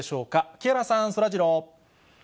木原さん、そらジロー。